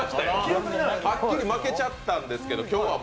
はっきり負けちゃったんですけど。